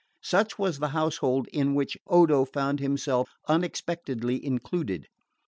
Such was the household in which Odo found himself unexpectedly included.